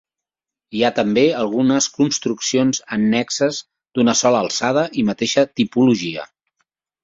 Hi ha també, algunes construccions annexes d'una sola alçada i mateixa tipologia.